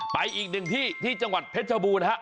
ไปอีกหนึ่งที่ที่จังหวัดเพชรชบูรณ์ฮะ